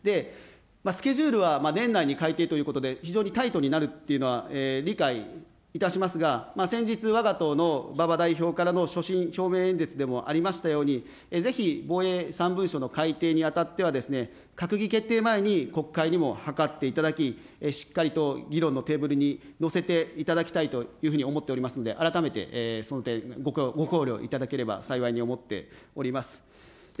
スケジュールは年内に改定ということで、非常にタイトになるというのは理解いたしますが、先日、わが党の馬場代表からの所信表明演説でもありましたように、ぜひ、防衛三文書の改定にあたっては、閣議決定前に国会にも諮っていただき、しっかりと議論のテーブルにのせていただきたいというふうに思っておりますので、改めてその点、ご考慮いただければ幸いに思っております。